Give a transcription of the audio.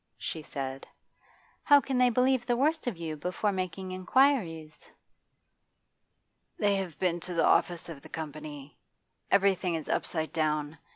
she said. 'How can they believe the worst of you before making inquiries?' 'They have been to the office of the Company. Everything is upside down.